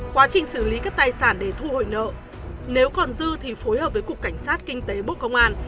quá trình xử lý các tài sản để thu hồi nợ nếu còn dư thì phối hợp với cục cảnh sát kinh tế bộ công an